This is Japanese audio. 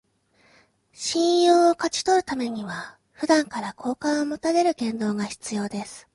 信用を勝ち取るためには、普段から好感を持たれる言動が必要です